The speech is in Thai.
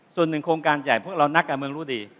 ส่วนหนึ่งโครงการใหญ่พวกเรานักการเมืองรู้ดี